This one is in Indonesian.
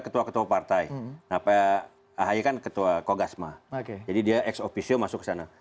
ketua ketua partai ahaya kan ketua kogasma jadi dia ex officio masuk sana kalau psb masuk di